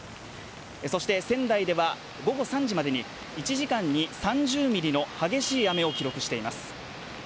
そして仙台では午後３時までに１時間に３０ミリの激しい雨を記録しています。